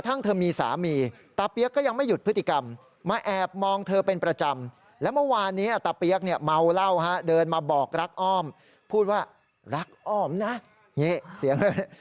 แต่เธอยังไม่เล่นด้วย